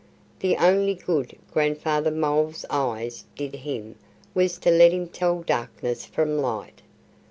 The only good Grandfather Mole's eyes did him was to let him tell darkness from light.